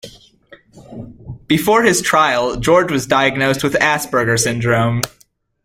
Before his trial, George was diagnosed with Asperger syndrome.